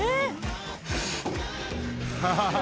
ハハハハ。